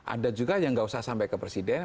ada juga yang nggak usah sampai ke presiden